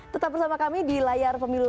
tetap bersama kami di layar pemilu